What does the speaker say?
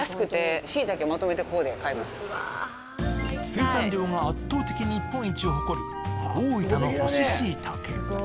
生産量が圧倒的に日本一を誇る大分の乾しいたけ。